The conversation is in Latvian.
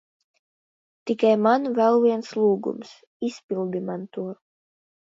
Tikai man vēl viens lūgums. Izpildi man to.